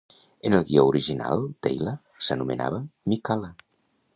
En el guió original, Teyla s'anomenava Mikala.